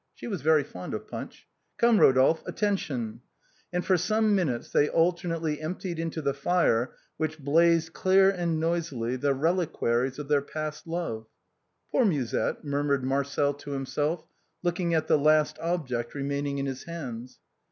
She was very fond of punch. Come, Eodolphe, attention !" And for some minutes they alternately emptied into the fire, which blazed clear and noisily, the reliquaries of their past love. " Poor Musette !" murmured Marcel to himself, looking at the last object remaining in his hands.